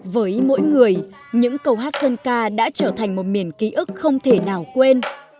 với mỗi người những câu hát dân ca đã trở thành một miền ký ức không thể nào quên